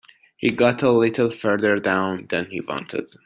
He got a little further down than he wanted.